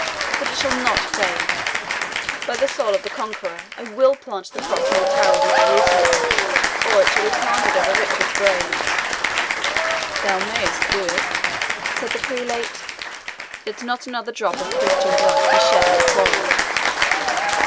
But it shall NOT fade. By the soul of the Conqueror, I will plant the Cross on the towers of Jerusalem, or it shall be planted over Richard's grave!" "Thou mayest do it," said the prelate, "yet not another drop of Christian blood be shed in the quarrel."